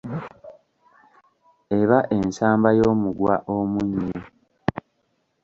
Eba ensamba y'omugwa omunnyu.